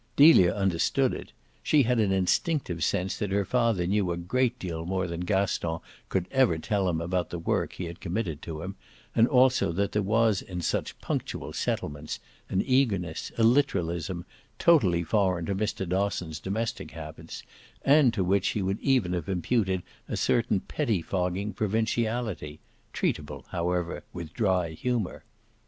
Delia understood it: she had an instinctive sense that her father knew a great deal more than Gaston could tell him even about the work he had committed to him, and also that there was in such punctual settlements an eagerness, a literalism, totally foreign to Mr. Dosson's domestic habits and to which he would even have imputed a certain pettifogging provinciality treatable however with dry humour.